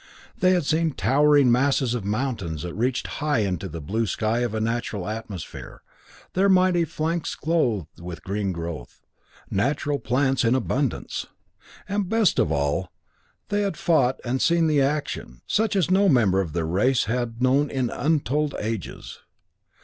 They had seen towering masses of mountains that reached high into the blue sky of a natural atmosphere, their mighty flanks clothed with green growth; natural plants in abundance. And best of all, they had fought and seen action, such as no member of their race had known in untold ages.